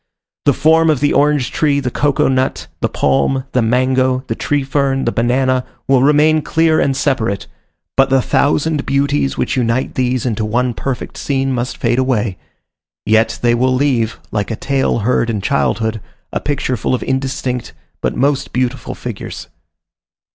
The form of the orange tree, the cocoa nut, the palm, the mango, the tree fern, the banana, will remain clear and separate; but the thousand beauties which unite these into one perfect scene must fade away: yet they will leave, like a tale heard in childhood, a picture full of indistinct, but most beautiful figures.